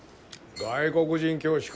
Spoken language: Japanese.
外国人教師か。